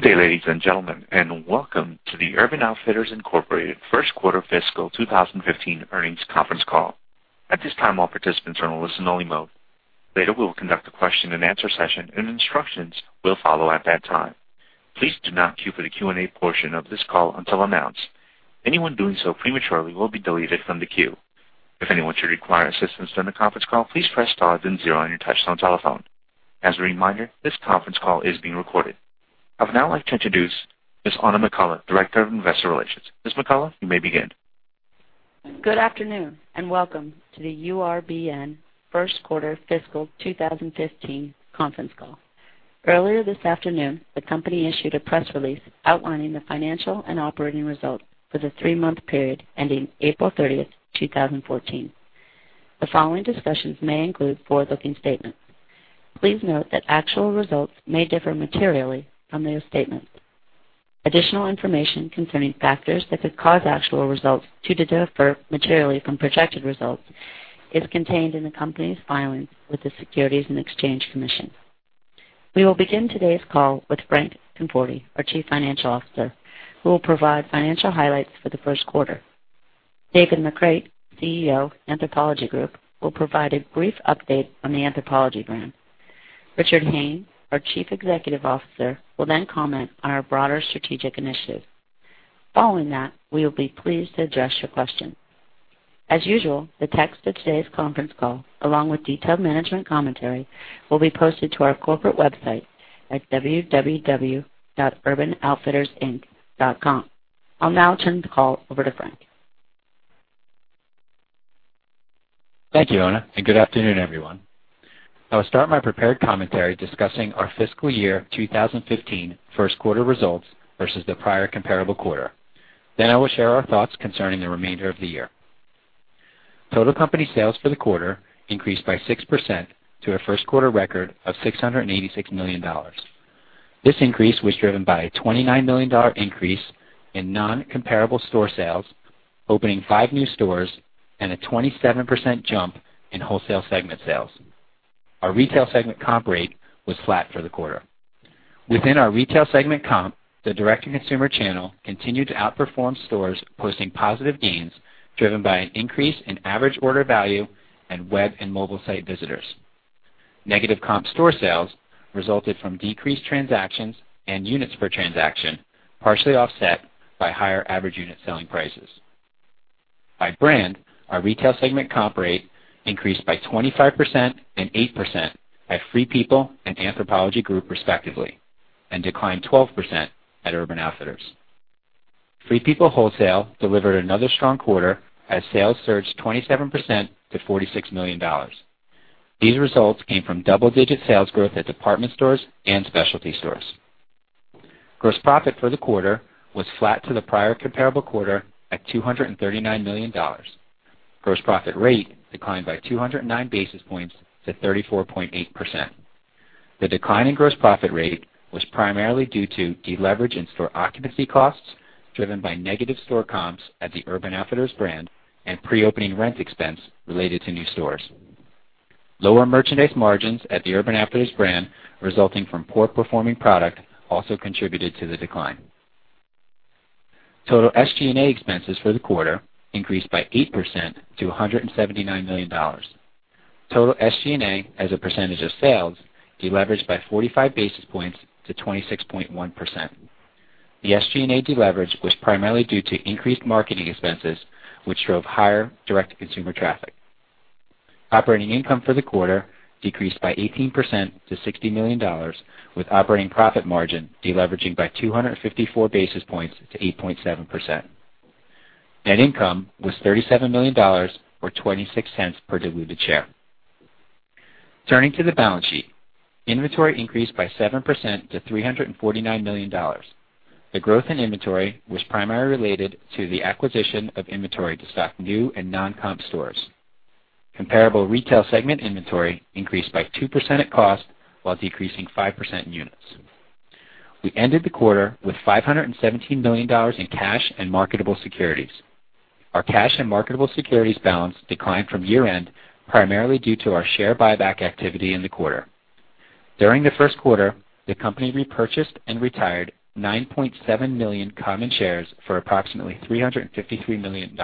Good day, ladies and gentlemen, and welcome to the Urban Outfitters, Inc. first quarter fiscal 2015 Earnings Conference Call. At this time, all participants are in listen-only mode. Later, we'll conduct a question-and-answer session, and instructions will follow at that time. Please do not queue for the Q&A portion of this call until announced. Anyone doing so prematurely will be deleted from the queue. If anyone should require assistance during the conference call, please press star then 0 on your touch-tone telephone. As a reminder, this conference call is being recorded. I would now like to introduce Ms. Oona McCullough, Director of Investor Relations. Ms. McCullough, you may begin. Good afternoon, welcome to the URBN first quarter fiscal 2015 conference call. Earlier this afternoon, the company issued a press release outlining the financial and operating results for the 3-month period ending April 30, 2014. The following discussions may include forward-looking statements. Please note that actual results may differ materially from those statements. Additional information concerning factors that could cause actual results to differ materially from projected results is contained in the company's filings with the Securities and Exchange Commission. We will begin today's call with Frank Conforti, our Chief Financial Officer, who will provide financial highlights for the first quarter. David McCreight, CEO, Anthropologie Group, will provide a brief update on the Anthropologie brand. Richard Hayne, our Chief Executive Officer, will comment on our broader strategic initiatives. Following that, we will be pleased to address your questions. As usual, the text of today's conference call, along with detailed management commentary, will be posted to our corporate website at www.urbanoutfittersinc.com. I'll now turn the call over to Frank. Thank you, Oona, good afternoon, everyone. I will start my prepared commentary discussing our fiscal year 2015 first quarter results versus the prior comparable quarter. I will share our thoughts concerning the remainder of the year. Total company sales for the quarter increased by 6% to a first quarter record of $686 million. This increase was driven by a $29 million increase in non-comparable store sales, opening 5 new stores, and a 27% jump in wholesale segment sales. Our retail segment comp rate was flat for the quarter. Within our retail segment comp, the direct-to-consumer channel continued to outperform stores, posting positive gains driven by an increase in average order value and web and mobile site visitors. Negative comp store sales resulted from decreased transactions and units per transaction, partially offset by higher average unit selling prices. By brand, our retail segment comp rate increased by 25% and 8% at Free People and Anthropologie Group respectively, and declined 12% at Urban Outfitters. Free People wholesale delivered another strong quarter as sales surged 27% to $46 million. These results came from double-digit sales growth at department stores and specialty stores. Gross profit for the quarter was flat to the prior comparable quarter at $239 million. Gross profit rate declined by 209 basis points to 34.8%. The decline in gross profit rate was primarily due to deleverage in store occupancy costs, driven by negative store comps at the Urban Outfitters brand and pre-opening rent expense related to new stores. Lower merchandise margins at the Urban Outfitters brand resulting from poor performing product also contributed to the decline. Total SG&A expenses for the quarter increased by 8% to $179 million. Total SG&A as a percentage of sales deleveraged by 45 basis points to 26.1%. The SG&A deleverage was primarily due to increased marketing expenses, which drove higher direct-to-consumer traffic. Operating income for the quarter decreased by 18% to $60 million, with operating profit margin deleveraging by 254 basis points to 8.7%. Net income was $37 million, or $0.26 per diluted share. Turning to the balance sheet. Inventory increased by 7% to $349 million. The growth in inventory was primarily related to the acquisition of inventory to stock new and non-comp stores. Comparable retail segment inventory increased by 2% at cost, while decreasing 5% in units. We ended the quarter with $517 million in cash and marketable securities. Our cash and marketable securities balance declined from year-end, primarily due to our share buyback activity in the quarter. During the first quarter, the company repurchased and retired 9.7 million common shares for approximately $353 million.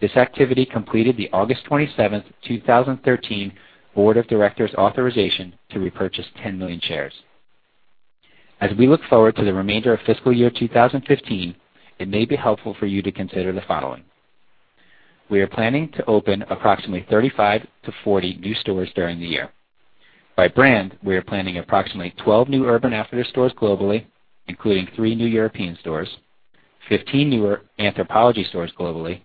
This activity completed the August 27th, 2013, board of directors' authorization to repurchase 10 million shares. As we look forward to the remainder of fiscal year 2015, it may be helpful for you to consider the following. We are planning to open approximately 35 to 40 new stores during the year. By brand, we are planning approximately 12 new Urban Outfitters stores globally, including three new European stores, 15 newer Anthropologie stores globally,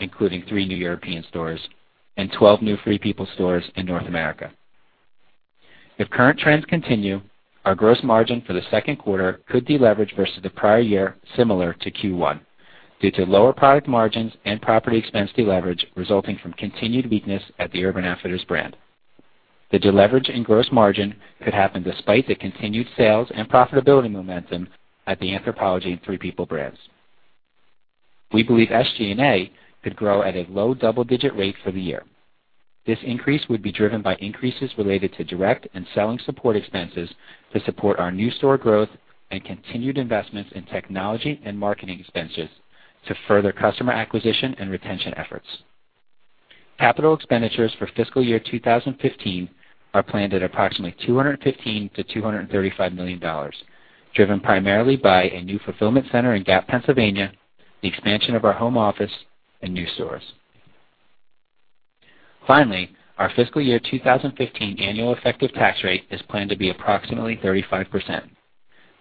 including three new European stores, and 12 new Free People stores in North America. If current trends continue, our gross margin for the second quarter could deleverage versus the prior year, similar to Q1, due to lower product margins and property expense deleverage resulting from continued weakness at the Urban Outfitters brand. The deleverage in gross margin could happen despite the continued sales and profitability momentum at the Anthropologie and Free People brands. We believe SG&A could grow at a low double-digit rate for the year. This increase would be driven by increases related to direct and selling support expenses to support our new store growth and continued investments in technology and marketing expenses to further customer acquisition and retention efforts. Capital expenditures for fiscal year 2015 are planned at approximately $215 million-$235 million, driven primarily by a new fulfillment center in Gap, Pennsylvania, the expansion of our home office, and new stores. Finally, our fiscal year 2015 annual effective tax rate is planned to be approximately 35%.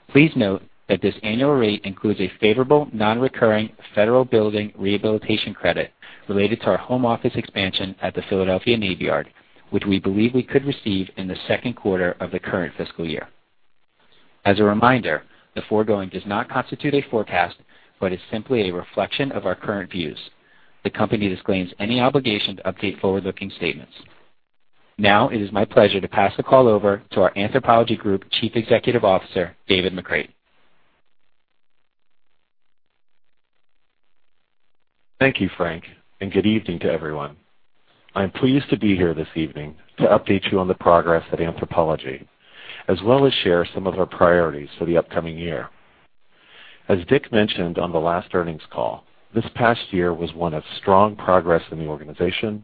Please note that this annual rate includes a favorable non-recurring federal building rehabilitation credit related to our home office expansion at the Philadelphia Navy Yard, which we believe we could receive in the second quarter of the current fiscal year. As a reminder, the foregoing does not constitute a forecast, but is simply a reflection of our current views. The company disclaims any obligation to update forward-looking statements. Now it is my pleasure to pass the call over to our Anthropologie Group Chief Executive Officer, David McCreight. Thank you, Frank, and good evening to everyone. I am pleased to be here this evening to update you on the progress at Anthropologie, as well as share some of our priorities for the upcoming year. As Dick mentioned on the last earnings call, this past year was one of strong progress in the organization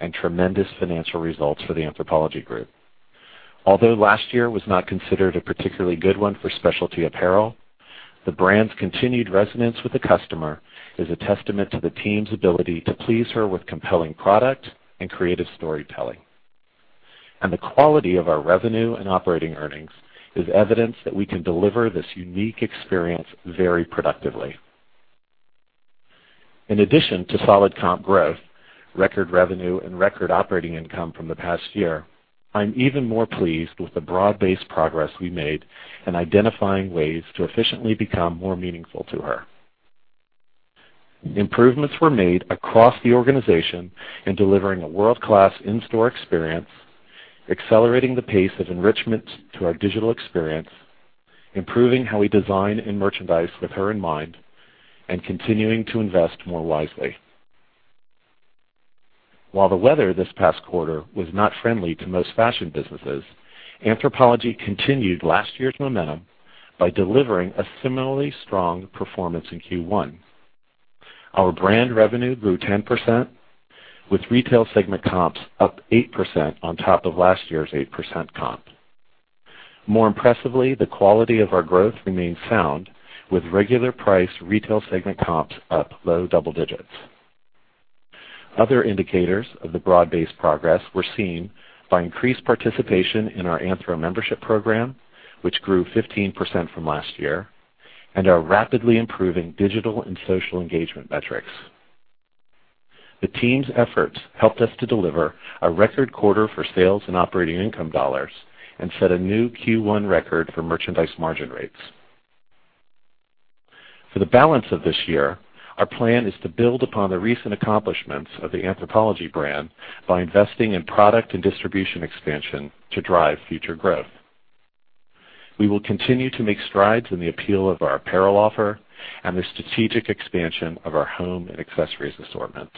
and tremendous financial results for the Anthropologie Group. Although last year was not considered a particularly good one for specialty apparel, the brand's continued resonance with the customer is a testament to the team's ability to please her with compelling product and creative storytelling. The quality of our revenue and operating earnings is evidence that we can deliver this unique experience very productively. In addition to solid comp growth, record revenue, and record operating income from the past year, I'm even more pleased with the broad-based progress we made in identifying ways to efficiently become more meaningful to her. Improvements were made across the organization in delivering a world-class in-store experience, accelerating the pace of enrichment to our digital experience, improving how we design and merchandise with her in mind, and continuing to invest more wisely. While the weather this past quarter was not friendly to most fashion businesses, Anthropologie continued last year's momentum by delivering a similarly strong performance in Q1. Our brand revenue grew 10%, with retail segment comps up 8% on top of last year's 8% comp. More impressively, the quality of our growth remains sound, with regular price retail segment comps up low double digits. Other indicators of the broad-based progress were seen by increased participation in our Anthro membership program, which grew 15% from last year, and our rapidly improving digital and social engagement metrics. The team's efforts helped us to deliver a record quarter for sales and operating income dollars and set a new Q1 record for merchandise margin rates. For the balance of this year, our plan is to build upon the recent accomplishments of the Anthropologie brand by investing in product and distribution expansion to drive future growth. We will continue to make strides in the appeal of our apparel offer and the strategic expansion of our home and accessories assortments.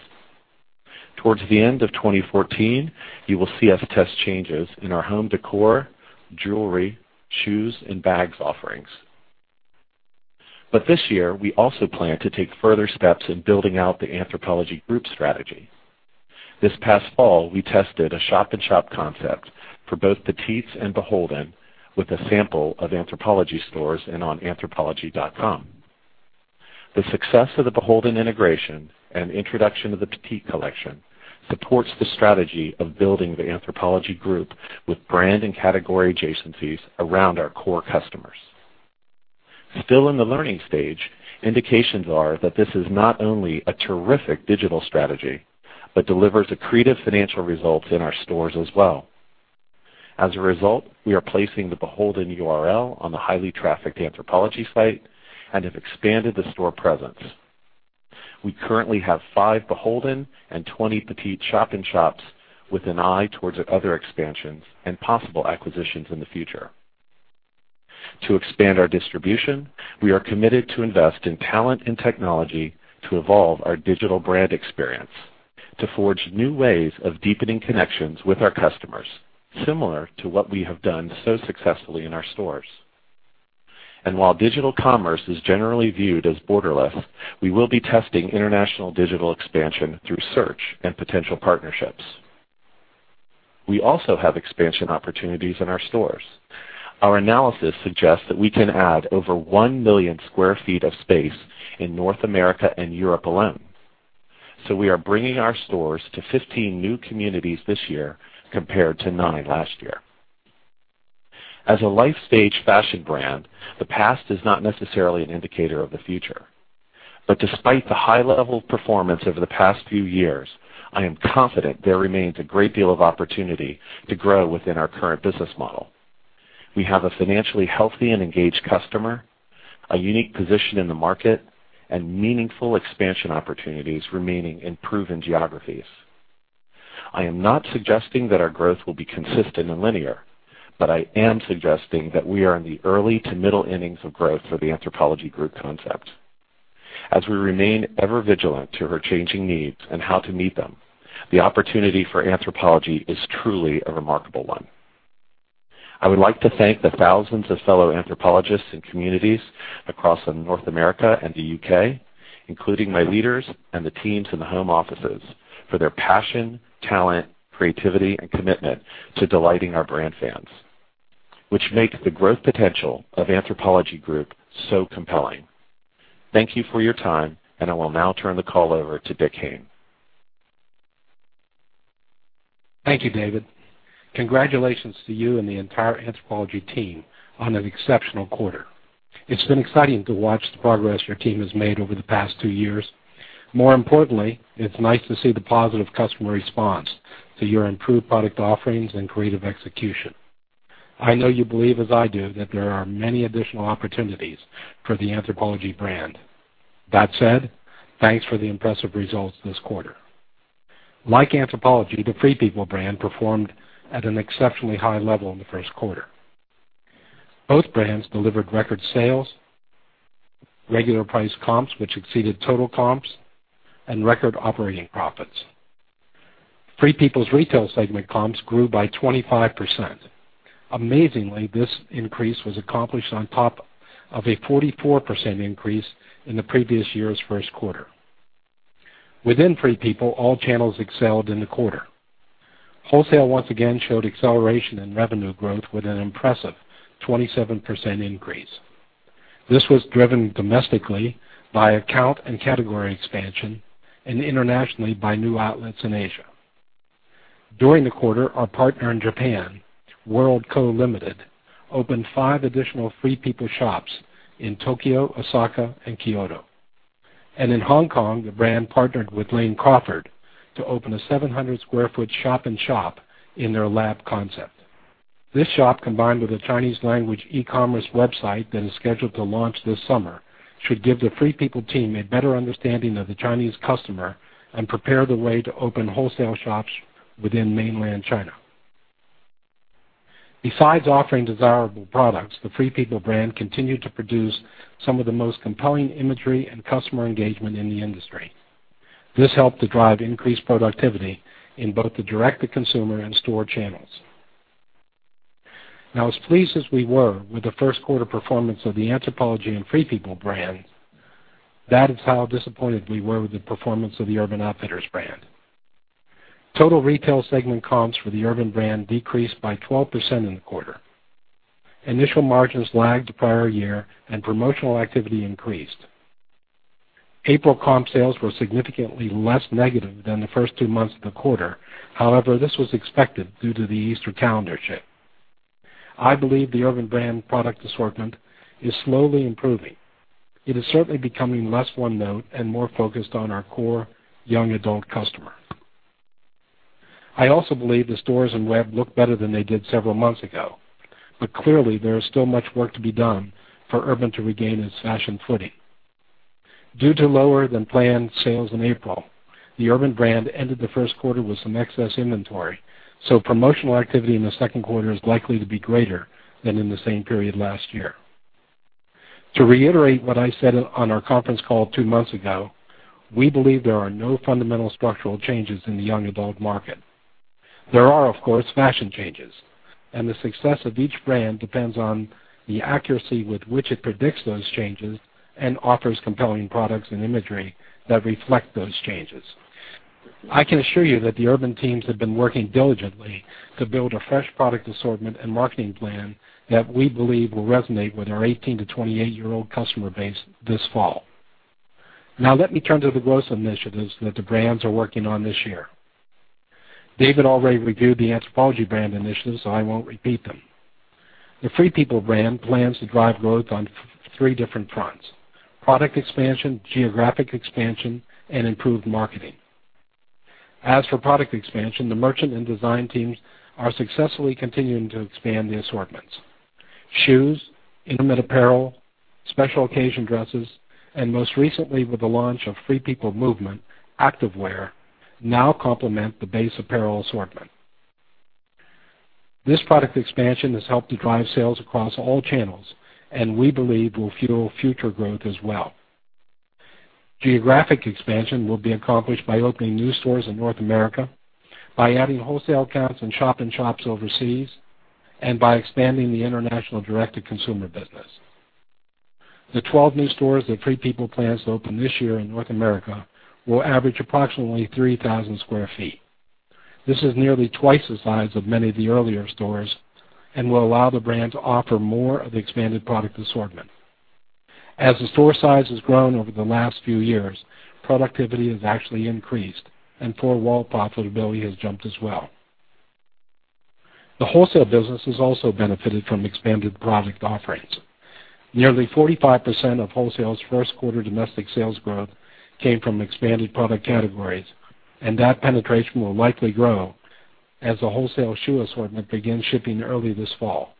Towards the end of 2014, you will see us test changes in our home decor, jewelry, shoes, and bags offerings. This year, we also plan to take further steps in building out the Anthropologie Group strategy. This past fall, we tested a shop-in-shop concept for both Petites and BHLDN with a sample of Anthropologie stores and on anthropologie.com. The success of the BHLDN integration and introduction of the Petite collection supports the strategy of building the Anthropologie Group with brand and category adjacencies around our core customers. Still in the learning stage, indications are that this is not only a terrific digital strategy, but delivers accretive financial results in our stores as well. As a result, we are placing the BHLDN URL on the highly trafficked Anthropologie site and have expanded the store presence. We currently have five BHLDN and 20 Petite shop-in-shops with an eye towards other expansions and possible acquisitions in the future. To expand our distribution, we are committed to invest in talent and technology to evolve our digital brand experience, to forge new ways of deepening connections with our customers, similar to what we have done so successfully in our stores. While digital commerce is generally viewed as borderless, we will be testing international digital expansion through search and potential partnerships. We also have expansion opportunities in our stores. Our analysis suggests that we can add over 1 million sq ft of space in North America and Europe alone. We are bringing our stores to 15 new communities this year, compared to nine last year. As a life-stage fashion brand, the past is not necessarily an indicator of the future. Despite the high level of performance over the past few years, I am confident there remains a great deal of opportunity to grow within our current business model. We have a financially healthy and engaged customer, a unique position in the market, and meaningful expansion opportunities remaining in proven geographies. I am not suggesting that our growth will be consistent and linear, but I am suggesting that we are in the early to middle innings of growth for the Anthropologie Group concept. As we remain ever vigilant to her changing needs and how to meet them, the opportunity for Anthropologie is truly a remarkable one. I would like to thank the thousands of fellow anthropologists and communities across North America and the U.K., including my leaders and the teams in the home offices, for their passion, talent, creativity, and commitment to delighting our brand fans, which makes the growth potential of Anthropologie Group so compelling. Thank you for your time, and I will now turn the call over to Dick Hayne. Thank you, David. Congratulations to you and the entire Anthropologie team on an exceptional quarter. It's been exciting to watch the progress your team has made over the past two years. More importantly, it's nice to see the positive customer response to your improved product offerings and creative execution. I know you believe, as I do, that there are many additional opportunities for the Anthropologie brand. That said, thanks for the impressive results this quarter. Like Anthropologie, the Free People brand performed at an exceptionally high level in the first quarter. Both brands delivered record sales, regular price comps which exceeded total comps, and record operating profits. Free People's retail segment comps grew by 25%. Amazingly, this increase was accomplished on top of a 44% increase in the previous year's first quarter. Within Free People, all channels excelled in the quarter. Wholesale once again showed acceleration in revenue growth with an impressive 27% increase. This was driven domestically by account and category expansion and internationally by new outlets in Asia. During the quarter, our partner in Japan, World Co., Ltd., opened five additional Free People shops in Tokyo, Osaka, and Kyoto. In Hong Kong, the brand partnered with Lane Crawford to open a 700 sq ft shop-in-shop in their The Lab concept. This shop, combined with a Chinese language e-commerce website that is scheduled to launch this summer, should give the Free People team a better understanding of the Chinese customer and prepare the way to open wholesale shops within mainland China. Besides offering desirable products, the Free People brand continued to produce some of the most compelling imagery and customer engagement in the industry. This helped to drive increased productivity in both the direct-to-consumer and store channels. As pleased as we were with the first quarter performance of the Anthropologie and Free People brands, that is how disappointed we were with the performance of the Urban Outfitters brand. Total retail segment comps for the Urban brand decreased by 12% in the quarter. Initial margins lagged the prior year, and promotional activity increased. April comp sales were significantly less negative than the first two months of the quarter. However, this was expected due to the Easter calendar shift. I believe the Urban brand product assortment is slowly improving. It is certainly becoming less one-note and more focused on our core young adult customer. I also believe the stores and web look better than they did several months ago, clearly, there is still much work to be done for Urban to regain its fashion footing. Due to lower-than-planned sales in April, the Urban brand ended the first quarter with some excess inventory, promotional activity in the second quarter is likely to be greater than in the same period last year. To reiterate what I said on our conference call two months ago, we believe there are no fundamental structural changes in the young adult market. There are, of course, fashion changes, and the success of each brand depends on the accuracy with which it predicts those changes and offers compelling products and imagery that reflect those changes. I can assure you that the Urban teams have been working diligently to build a fresh product assortment and marketing plan that we believe will resonate with our 18 to 28-year-old customer base this fall. Let me turn to the growth initiatives that the brands are working on this year. David already reviewed the Anthropologie brand initiatives, I won't repeat them. The Free People brand plans to drive growth on three different fronts: product expansion, geographic expansion, and improved marketing. As for product expansion, the merchant and design teams are successfully continuing to expand the assortments. Shoes, intimate apparel, special occasion dresses, and most recently with the launch of FP Movement, activewear now complement the base apparel assortment. This product expansion has helped to drive sales across all channels and we believe will fuel future growth as well. Geographic expansion will be accomplished by opening new stores in North America, by adding wholesale accounts and shop-in-shops overseas, and by expanding the international direct-to-consumer business. The 12 new stores that Free People plans to open this year in North America will average approximately 3,000 sq ft. This is nearly twice the size of many of the earlier stores and will allow the brand to offer more of the expanded product assortment. As the store size has grown over the last few years, productivity has actually increased, and four-wall profitability has jumped as well. The wholesale business has also benefited from expanded product offerings. Nearly 45% of wholesale's first quarter domestic sales growth came from expanded product categories, and that penetration will likely grow as the wholesale shoe assortment begins shipping early this fall.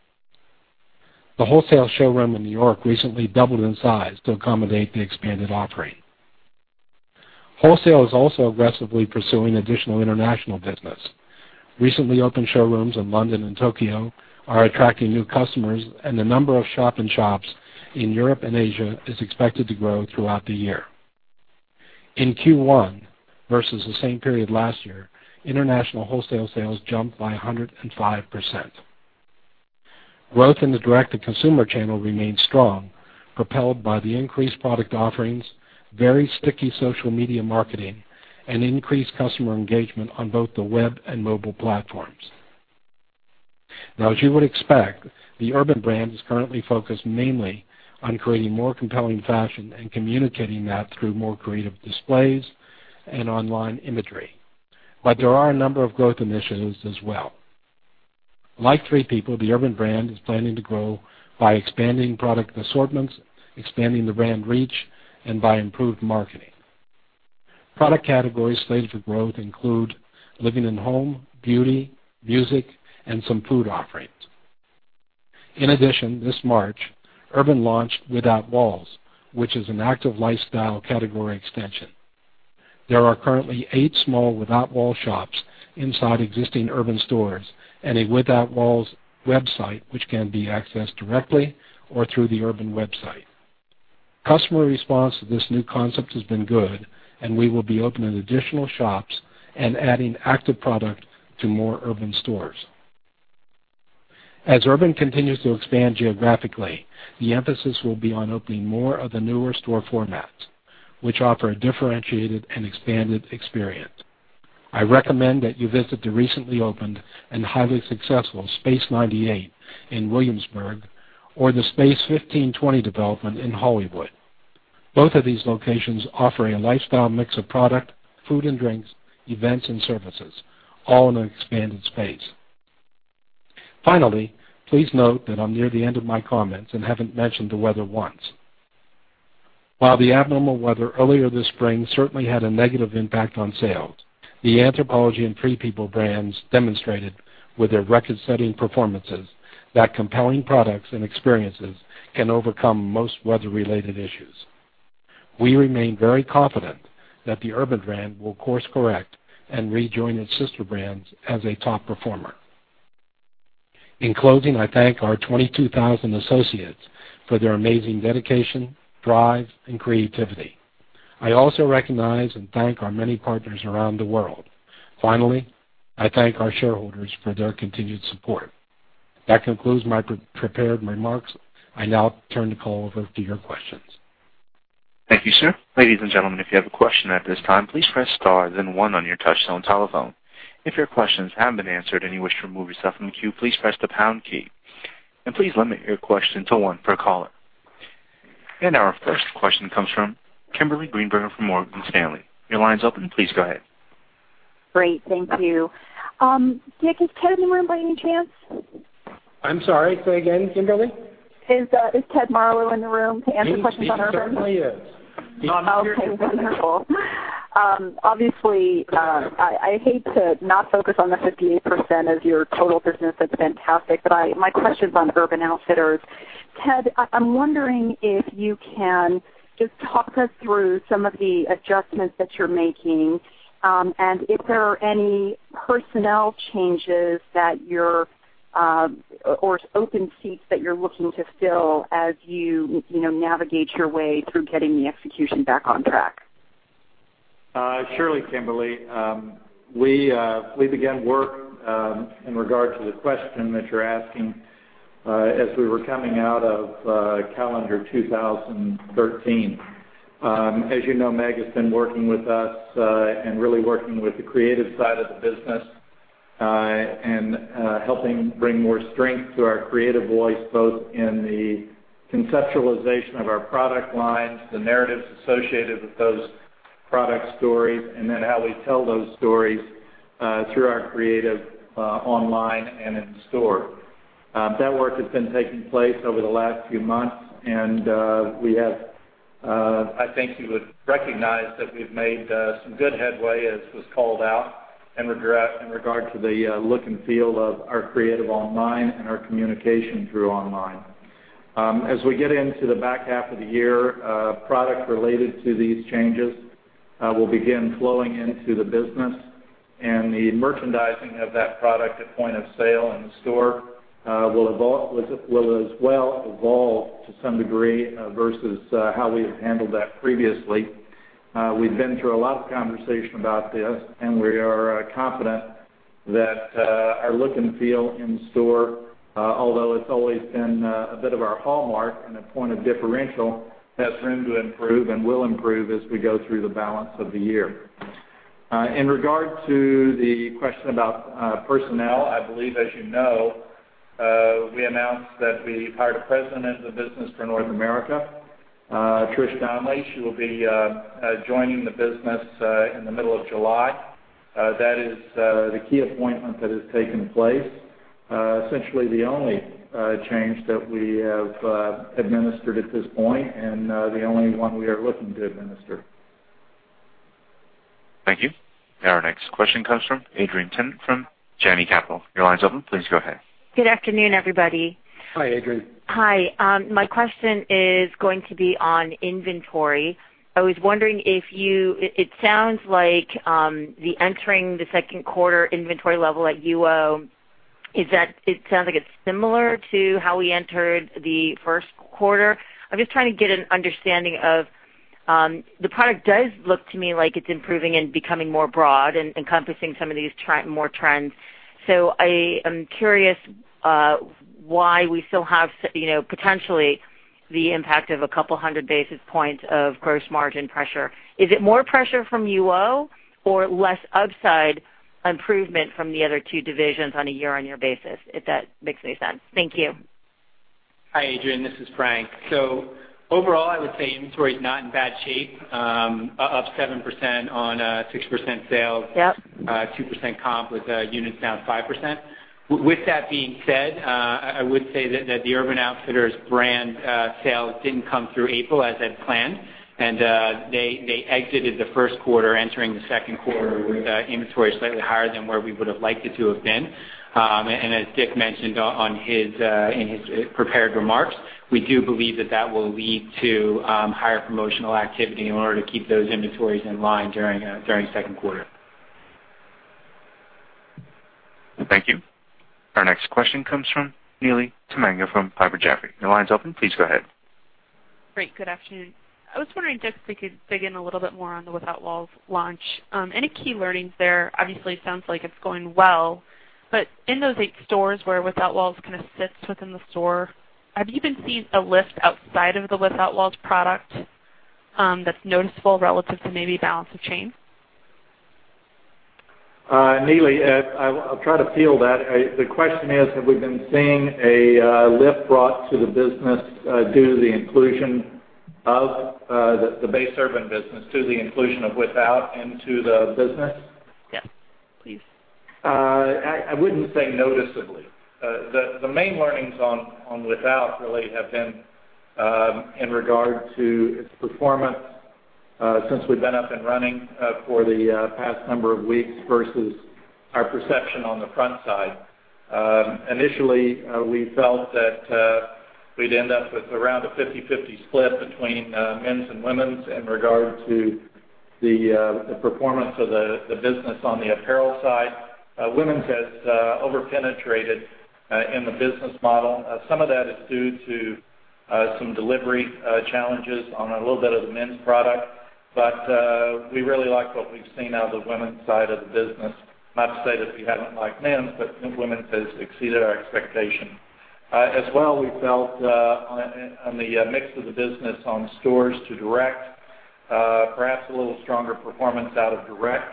The wholesale showroom in New York recently doubled in size to accommodate the expanded offering. Wholesale is also aggressively pursuing additional international business. Recently opened showrooms in London and Tokyo are attracting new customers, and the number of shop-in-shops in Europe and Asia is expected to grow throughout the year. In Q1 versus the same period last year, international wholesale sales jumped by 105%. Growth in the direct-to-consumer channel remains strong, propelled by the increased product offerings, very sticky social media marketing, and increased customer engagement on both the web and mobile platforms. As you would expect, the Urban brand is currently focused mainly on creating more compelling fashion and communicating that through more creative displays and online imagery. There are a number of growth initiatives as well. Like Free People, the Urban brand is planning to grow by expanding product assortments, expanding the brand reach, and by improved marketing. Product categories slated for growth include living and home, beauty, music, and some food offerings. In addition, this March, Urban launched Without Walls, which is an active lifestyle category extension. There are currently eight small Without Walls shops inside existing Urban stores and a Without Walls website, which can be accessed directly or through the Urban website. Customer response to this new concept has been good, and we will be opening additional shops and adding active product to more Urban stores. As Urban continues to expand geographically, the emphasis will be on opening more of the newer store formats, which offer a differentiated and expanded experience. I recommend that you visit the recently opened and highly successful Space 98 in Williamsburg or the Space 1520 development in Hollywood. Both of these locations offer a lifestyle mix of product, food and drinks, events, and services, all in an expanded space. Finally, please note that I'm near the end of my comments and haven't mentioned the weather once. While the abnormal weather earlier this spring certainly had a negative impact on sales, the Anthropologie and Free People brands demonstrated with their record-setting performances that compelling products and experiences can overcome most weather-related issues. We remain very confident that the Urban brand will course-correct and rejoin its sister brands as a top performer. In closing, I thank our 22,000 associates for their amazing dedication, drive, and creativity. I also recognize and thank our many partners around the world. Finally, I thank our shareholders for their continued support. That concludes my prepared remarks. I now turn the call over to your questions. Thank you, sir. Ladies and gentlemen, if you have a question at this time, please press star then one on your touchtone telephone. If your questions have been answered and you wish to remove yourself from the queue, please press the pound key. Please limit your question to one per caller. Our first question comes from Kimberly Greenberger from Morgan Stanley. Your line's open. Please go ahead. Great. Thank you. Dick, is Ted in the room by any chance? I'm sorry, say again, Kimberly. Is Ted Marlow in the room to answer questions on Urban? He certainly is. Okay, wonderful. Obviously, I hate to not focus on the 58% of your total business. That's fantastic. My question's on Urban Outfitters. Ted, I'm wondering if you can just talk us through some of the adjustments that you're making and if there are any personnel changes or open seats that you're looking to fill as you navigate your way through getting the execution back on track. Surely, Kimberly. We began work in regard to the question that you're asking as we were coming out of calendar 2013. As you know, Meg has been working with us and really working with the creative side of the business and helping bring more strength to our creative voice, both in the conceptualization of our product lines, the narratives associated with those product stories, and then how we tell those stories through our creative online and in store. That work has been taking place over the last few months, and I think you would recognize that we've made some good headway, as was called out, in regard to the look and feel of our creative online and our communication through online. As we get into the back half of the year, product related to these changes will begin flowing into the business. The merchandising of that product at point of sale in the store will as well evolve to some degree versus how we have handled that previously. We've been through a lot of conversation about this. We are confident that our look and feel in store, although it's always been a bit of our hallmark and a point of differential, has room to improve and will improve as we go through the balance of the year. In regard to the question about personnel, I believe, as you know, we announced that we hired a president of the business for North America, Trish Donnelly. She will be joining the business in the middle of July. That is the key appointment that has taken place. Essentially the only change that we have administered at this point and the only one we are looking to administer. Thank you. Our next question comes from Adrienne Tennant from Janney Montgomery Scott LLC. Your line's open. Please go ahead. Good afternoon, everybody. Hi, Adrienne. Hi. My question is going to be on inventory. I was wondering, it sounds like the entering the second quarter inventory level at UO, it sounds like it's similar to how we entered the first quarter. I'm just trying to get an understanding of. The product does look to me like it's improving and becoming more broad and encompassing some of these more trends. I am curious why we still have potentially the impact of 200 basis points of gross margin pressure. Is it more pressure from UO or less upside improvement from the other two divisions on a year-over-year basis, if that makes any sense? Thank you. Hi, Adrienne. This is Frank. Overall, I would say inventory is not in bad shape. Up 7% on 6% sales. Yep. 2% comp with units down 5%. With that being said, I would say that the Urban Outfitters brand sales didn't come through April as had planned, and they exited the first quarter entering the second quarter with inventory slightly higher than where we would have liked it to have been. As Dick mentioned in his prepared remarks, we do believe that that will lead to higher promotional activity in order to keep those inventories in line during second quarter. Thank you. Our next question comes from Neely Tamminga from Piper Jaffray. Your line's open. Please go ahead. Great. Good afternoon. I was wondering, Dick, if we could dig in a little bit more on the Without Walls launch. Any key learnings there? Obviously, it sounds like it's going well, but in those eight stores where Without Walls sits within the store, have you been seeing a lift outside of the Without Walls product that's noticeable relative to maybe balance of chain? Neely, I'll try to field that. The question is, have we been seeing a lift brought to the business due to the inclusion of the base Urban business to the inclusion of Without into the business? Yes, please. I wouldn't say noticeably. The main learnings on Without really have been in regard to its performance since we've been up and running for the past number of weeks versus our perception on the front side. Initially, we felt that we'd end up with around a 50-50 split between men's and women's in regard to the performance of the business on the apparel side. Women's has over-penetrated in the business model. Some of that is due to some delivery challenges on a little bit of the men's product. We really like what we've seen out of the women's side of the business. Not to say that we haven't liked men's, but women's has exceeded our expectation. As well, we felt on the mix of the business on stores to direct, perhaps a little stronger performance out of direct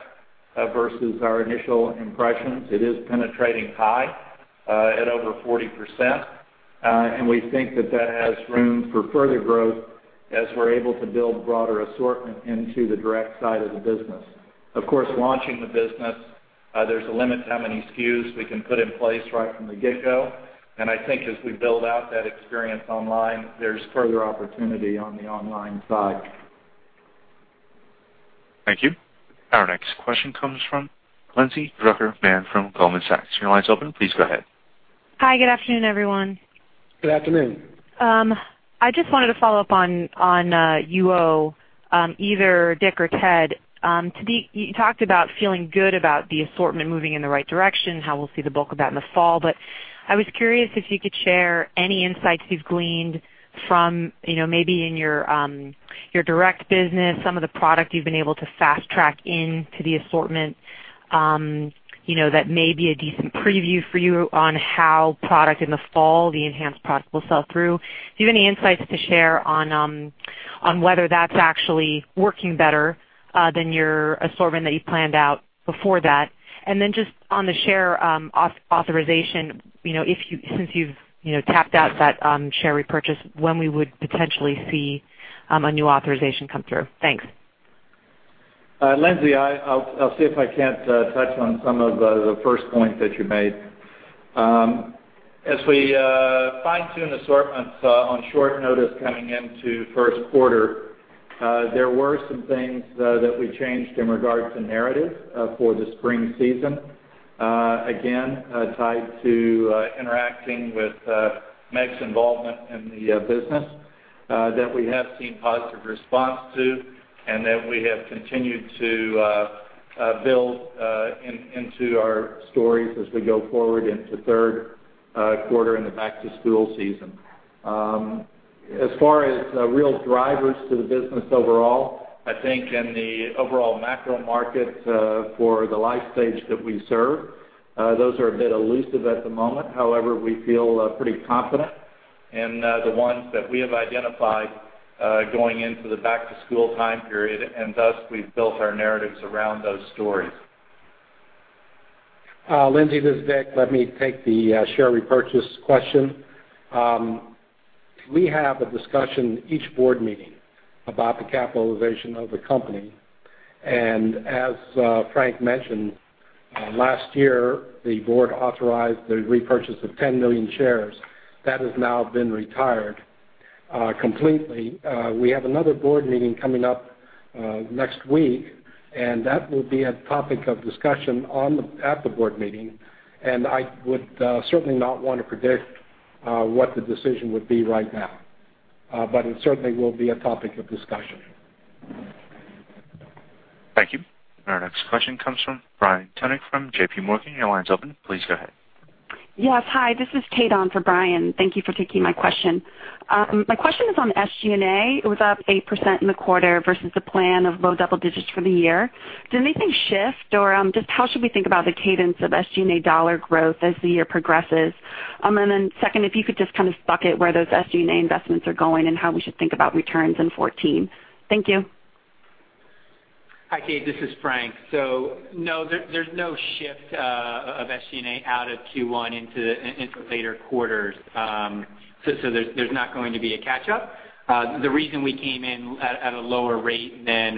versus our initial impressions. It is penetrating high at over 40%. We think that that has room for further growth as we're able to build broader assortment into the direct side of the business. Of course, launching the business, there's a limit to how many SKUs we can put in place right from the get-go. I think as we build out that experience online, there's further opportunity on the online side. Thank you. Our next question comes from Lindsay Drucker Mann from Goldman Sachs. Your line's open. Please go ahead. Hi, good afternoon, everyone. Good afternoon. I just wanted to follow up on UO, either Dick or Ted. You talked about feeling good about the assortment moving in the right direction, how we'll see the bulk of that in the fall. I was curious if you could share any insights you've gleaned from maybe in your direct business, some of the product you've been able to fast track into the assortment that may be a decent preview for you on how product in the fall, the enhanced product will sell through. Do you have any insights to share on whether that's actually working better than your assortment that you planned out before that? Just on the share authorization, since you've tapped out that share repurchase, when we would potentially see a new authorization come through. Thanks. Lindsay, I'll see if I can't touch on some of the first point that you made. As we fine-tune assortments on short notice coming into first quarter, there were some things that we changed in regards to narrative for the spring season. Again, tied to interacting with Meg's involvement in the business that we have seen positive response to and that we have continued to build into our stories as we go forward into third quarter in the back-to-school season. As far as real drivers to the business overall, I think in the overall macro markets for the life stage that we serve, those are a bit elusive at the moment. However, we feel pretty confident in the ones that we have identified going into the back-to-school time period, and thus, we've built our narratives around those stories. Lindsay, this is Dick. Let me take the share repurchase question. We have a discussion each board meeting about the capitalization of the company, as Frank mentioned last year, the board authorized the repurchase of 10 million shares. That has now been retired completely. We have another board meeting coming up next week, that will be a topic of discussion at the board meeting, and I would certainly not want to predict what the decision would be right now. It certainly will be a topic of discussion. Thank you. Our next question comes from Brian Tunick from JPMorgan. Your line's open. Please go ahead. Yes. Hi, this is Kate on for Brian. Thank you for taking my question. My question is on SG&A. It was up 8% in the quarter versus a plan of low double digits for the year. Did anything shift or just how should we think about the cadence of SG&A dollar growth as the year progresses? Second, if you could just kind of bucket where those SG&A investments are going and how we should think about returns in 2014. Thank you. Hi, Kate. This is Frank. No, there's no shift of SG&A out of Q1 into later quarters. There's not going to be a catch-up. The reason we came in at a lower rate than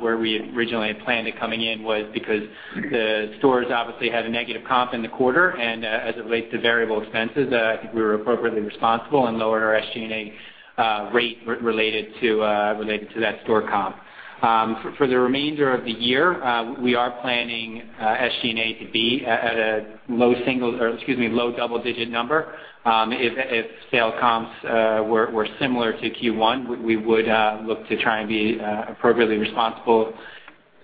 where we originally had planned to coming in was because the stores obviously had a negative comp in the quarter. As it relates to variable expenses, I think we were appropriately responsible and lowered our SG&A rate related to that store comp. For the remainder of the year, we are planning SG&A to be at a low double-digit number. If sale comps were similar to Q1, we would look to try and be appropriately responsible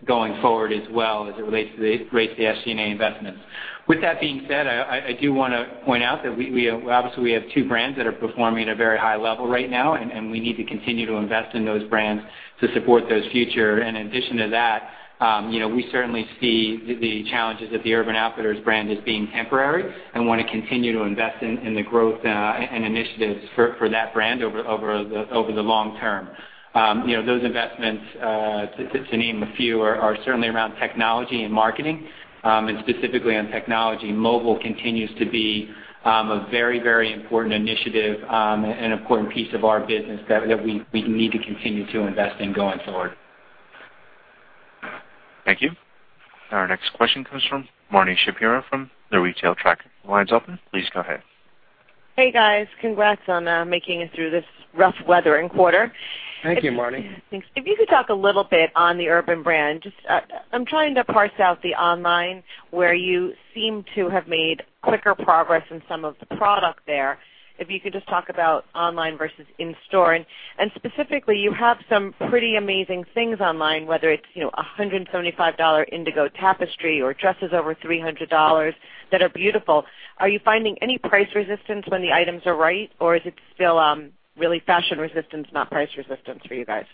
going forward as well as it relates to the SG&A investments. With that being said, I do want to point out that obviously we have two brands that are performing at a very high level right now, and we need to continue to invest in those brands to support those future. In addition to that, we certainly see the challenges of the Urban Outfitters brand as being temporary and want to continue to invest in the growth and initiatives for that brand over the long term. Those investments, to name a few, are certainly around technology and marketing. Specifically on technology, mobile continues to be a very important initiative and important piece of our business that we need to continue to invest in going forward. Thank you. Our next question comes from Marni Shapiro from The Retail Tracker. Your line is open. Please go ahead. Hey, guys. Congrats on making it through this rough weather in quarter. Thank you, Marni. If you could talk a little bit on the Urban brand, just I'm trying to parse out the online where you seem to have made quicker progress in some of the product there. If you could just talk about online versus in-store. Specifically, you have some pretty amazing things online, whether it's a $175 indigo tapestry or dresses over $300 that are beautiful. Are you finding any price resistance when the items are right, or is it still really fashion resistance, not price resistance for you guys?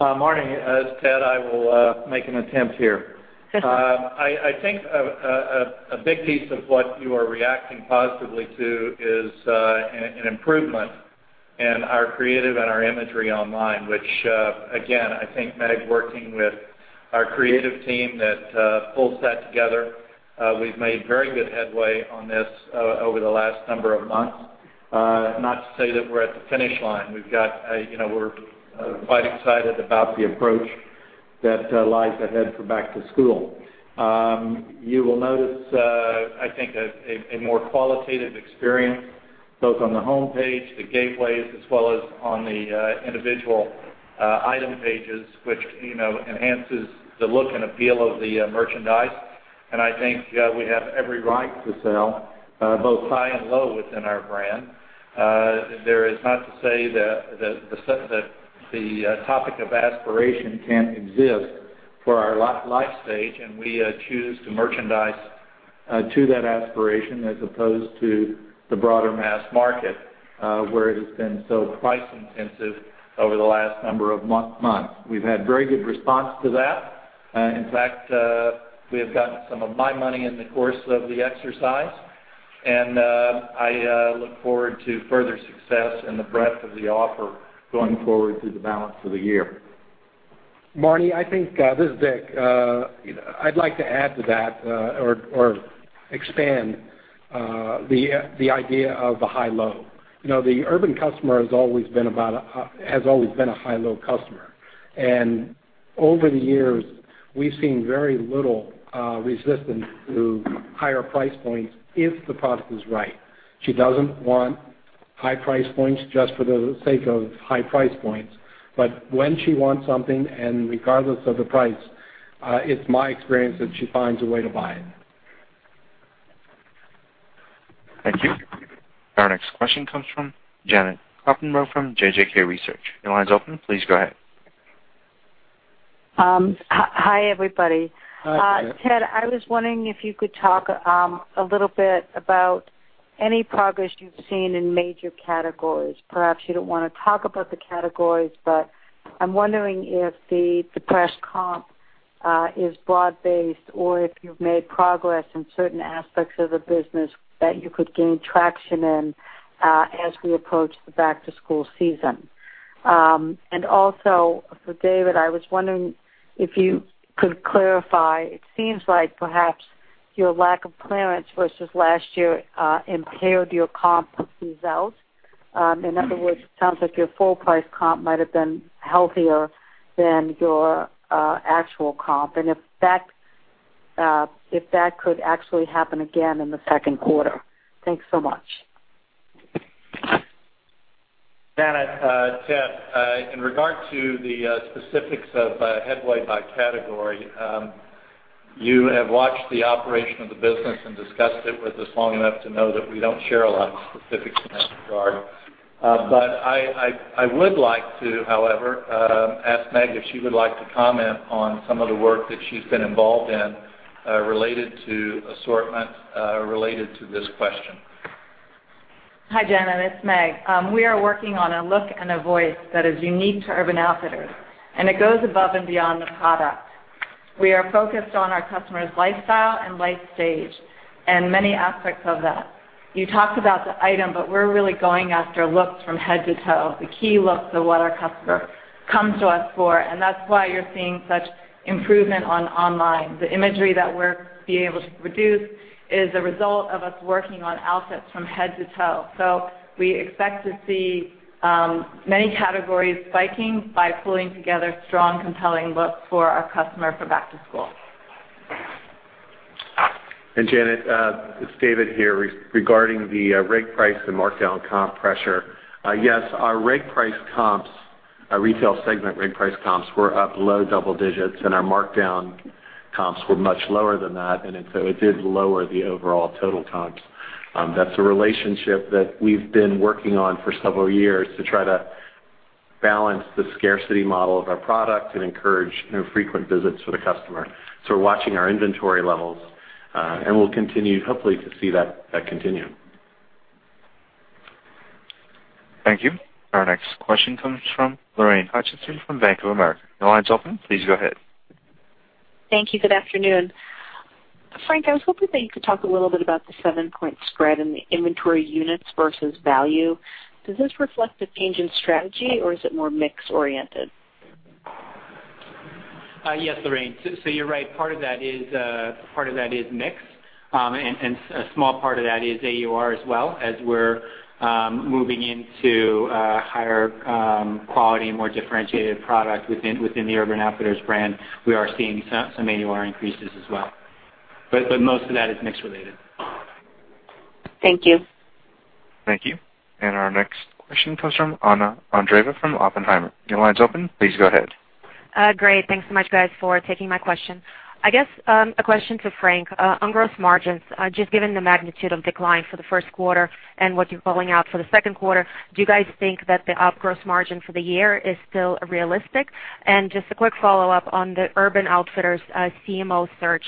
Marni, it's Ted, I will make an attempt here. I think a big piece of what you are reacting positively to is an improvement in our creative and our imagery online, which again, I think Meg working with our creative team that pulls that together. We've made very good headway on this over the last number of months. Not to say that we're at the finish line. We're quite excited about the approach that lies ahead for back to school. You will notice, I think, a more qualitative experience, both on the homepage, the gateways, as well as on the individual item pages, which enhances the look and appeal of the merchandise. I think we have every right to sell both high and low within our brand. That is not to say that the topic of aspiration can't exist for our life stage. We choose to merchandise to that aspiration as opposed to the broader mass market, where it has been so price intensive over the last number of months. We've had very good response to that. In fact, we have gotten some of my money in the course of the exercise. I look forward to further success and the breadth of the offer going forward through the balance of the year. Marni, this is Dick. I'd like to add to that or expand the idea of the high-low. The Urban customer has always been a high-low customer. Over the years, we've seen very little resistance to higher price points if the product is right. She doesn't want high price points just for the sake of high price points. When she wants something and regardless of the price, it's my experience that she finds a way to buy it. Thank you. Our next question comes from Janet Kloppenburg from JJK Research. Your line is open. Please go ahead. Hi, everybody. Hi, Janet. Ted, I was wondering if you could talk a little bit about any progress you've seen in major categories. Perhaps you don't want to talk about the categories, but I'm wondering if the depressed comp is broad-based or if you've made progress in certain aspects of the business that you could gain traction in as we approach the back-to-school season. Also, for David, I was wondering if you could clarify. It seems like perhaps Your lack of clearance versus last year impaired your comp results. In other words, it sounds like your full price comp might have been healthier than your actual comp. If that could actually happen again in the second quarter. Thanks so much. Janet, Ted, in regard to the specifics of headway by category, you have watched the operation of the business and discussed it with us long enough to know that we don't share a lot of specifics in that regard. I would like to, however, ask Meg if she would like to comment on some of the work that she's been involved in, related to assortment, related to this question. Hi, Janet, it's Meg. We are working on a look and a voice that is unique to Urban Outfitters, and it goes above and beyond the product. We are focused on our customer's lifestyle and life stage and many aspects of that. You talked about the item, but we're really going after looks from head to toe. The key looks are what our customer comes to us for, and that's why you're seeing such improvement on online. The imagery that we're being able to produce is a result of us working on outfits from head to toe. We expect to see many categories spiking by pulling together strong, compelling looks for our customer for back to school. Janet, it's David here. Regarding the reg price and markdown comp pressure. Yes, our retail segment reg price comps were up low double digits, and our markdown comps were much lower than that, and so it did lower the overall total comps. That's a relationship that we've been working on for several years to try to balance the scarcity model of our product and encourage frequent visits for the customer. We're watching our inventory levels, and we'll continue, hopefully, to see that continue. Thank you. Our next question comes from Lorraine Hutchinson from Bank of America. Your line is open. Please go ahead. Thank you. Good afternoon. Frank, I was hoping that you could talk a little bit about the 7-point spread in the inventory units versus value. Does this reflect a change in strategy or is it more mix-oriented? Yes, Lorraine. You're right, part of that is mix. A small part of that is AUR as well as we're moving into higher quality, more differentiated product within the Urban Outfitters brand. We are seeing some AUR increases as well. Most of that is mix related. Thank you. Thank you. Our next question comes from Anna Andreeva from Oppenheimer. Your line is open. Please go ahead. Great. Thanks so much guys for taking my question. I guess, a question to Frank. On gross margins, just given the magnitude of decline for the first quarter and what you're calling out for the second quarter, do you guys think that the up gross margin for the year is still realistic? Just a quick follow-up on the Urban Outfitters CMO search.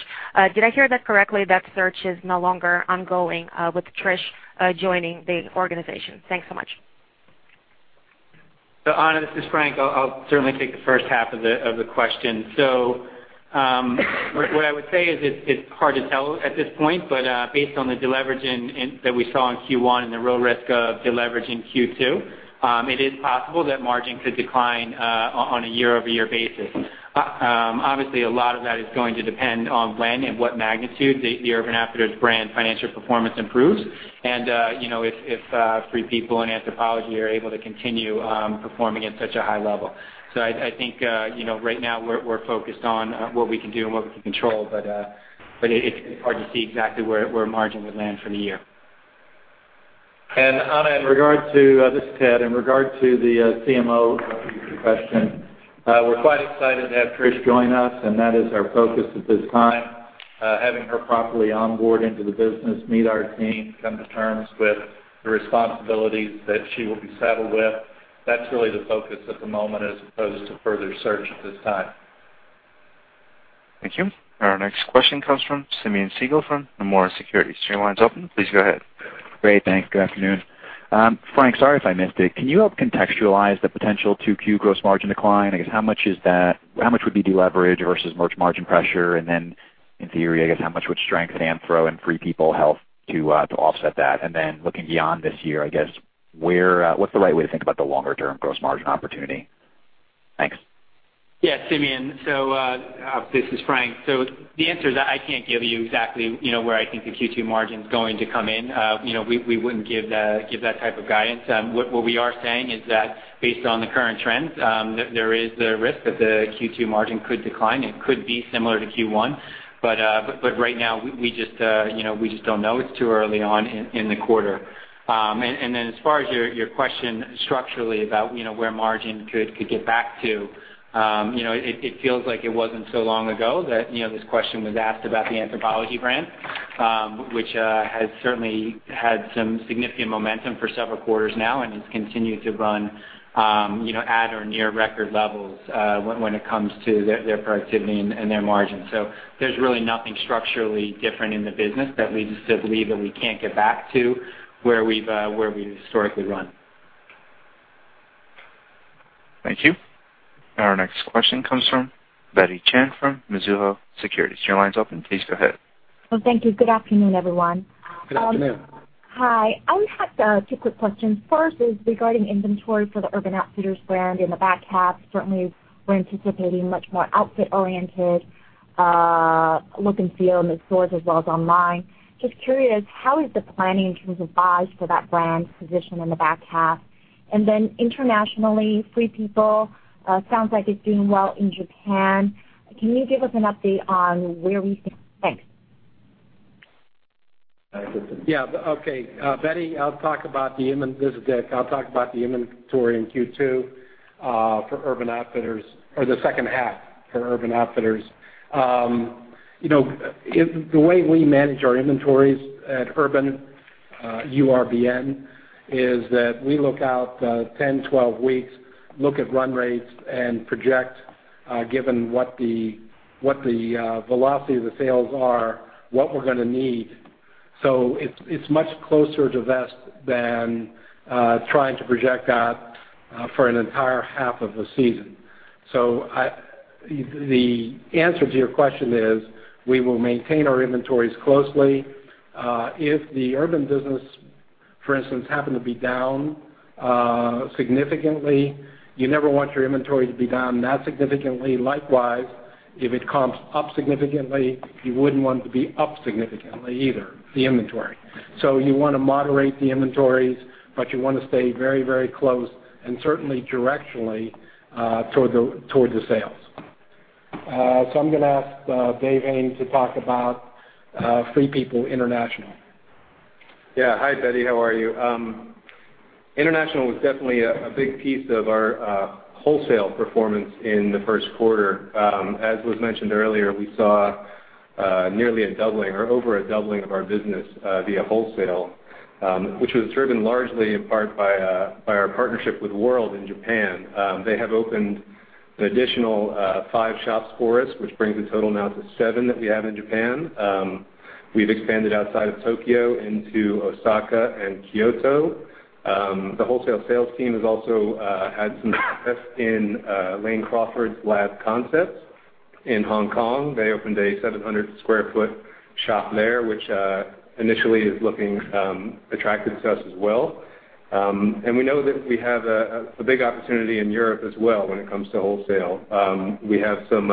Did I hear that correctly, that search is no longer ongoing with Trish joining the organization? Thanks so much. Anna, this is Frank. I'll certainly take the first half of the question. What I would say is it's hard to tell at this point, but based on the deleveraging that we saw in Q1 and the real risk of deleveraging Q2, it is possible that margin could decline on a year-over-year basis. Obviously, a lot of that is going to depend on when and what magnitude the Urban Outfitters brand financial performance improves. If Free People and Anthropologie are able to continue performing at such a high level. I think right now we're focused on what we can do and what we can control. It's hard to see exactly where margin would land for the year. Anna, this is Ted. In regard to the CMO of your question, we're quite excited to have Trish join us, and that is our focus at this time. Having her properly onboard into the business, meet our team, come to terms with the responsibilities that she will be saddled with. That's really the focus at the moment as opposed to further search at this time. Thank you. Our next question comes from Simeon Siegel from Nomura Securities. Your line is open. Please go ahead. Great, thanks. Good afternoon. Frank, sorry if I missed it. Can you help contextualize the potential 2Q gross margin decline? I guess, how much would be deleverage versus merch margin pressure? In theory, I guess how much would strength at Anthro, and Free People help to offset that? Looking beyond this year, I guess, what's the right way to think about the longer-term gross margin opportunity? Thanks. Simeon. This is Frank. The answer is, I can't give you exactly where I think the Q2 margin's going to come in. We wouldn't give that type of guidance. What we are saying is that based on the current trends, there is a risk that the Q2 margin could decline. It could be similar to Q1. Right now we just don't know. It's too early on in the quarter. As far as your question structurally about where margin could get back to. It feels like it wasn't so long ago that this question was asked about the Anthropologie brand, which has certainly had some significant momentum for several quarters now and has continued to run at or near record levels when it comes to their productivity and their margins. There's really nothing structurally different in the business that leads us to believe that we can't get back to where we've historically run. Thank you. Our next question comes from Betty Chen from Mizuho Securities. Your line is open. Please go ahead. Thank you. Good afternoon, everyone. Good afternoon. Hi. I only have two quick questions. First is regarding inventory for the Urban Outfitters brand in the back half. Certainly, we're anticipating much more outfit-oriented look and feel in the stores as well as online. Just curious, how is the planning in terms of buys for that brand positioned in the back half? Internationally, Free People sounds like it's doing well in Japan. Can you give us an update on where we? Thanks. Yeah. Okay. Betty, this is Dick. I'll talk about the inventory in Q2 for Urban Outfitters or the second half for Urban Outfitters. The way we manage our inventories at Urban, URBN, is that we look out 10, 12 weeks, look at run rates, and project, given what the velocity of the sales are, what we're going to need. It's much closer to vest than trying to project out for an entire half of a season. The answer to your question is, we will maintain our inventories closely. If the Urban business, for instance, happened to be down significantly, you never want your inventory to be down that significantly. Likewise, if it comes up significantly, you wouldn't want it to be up significantly either, the inventory. You want to moderate the inventories, but you want to stay very close and certainly directionally toward the sales. I'm going to ask Dave Hayne to talk about Free People International. Hi, Betty. International was definitely a big piece of our wholesale performance in the first quarter. As was mentioned earlier, we saw nearly a doubling or over a doubling of our business via wholesale, which was driven largely in part by our partnership with World in Japan. They have opened an additional five shops for us, which brings the total now to seven that we have in Japan. We've expanded outside of Tokyo into Osaka and Kyoto. The wholesale sales team has also had some success in Lane Crawford's Lab concepts in Hong Kong. They opened a 700 sq ft shop there, which initially is looking attractive to us as well. We know that we have a big opportunity in Europe as well when it comes to wholesale. We have some